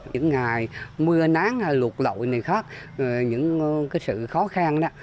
những ngày mưa nán luộc lội này khác những cái sự khó khăn đó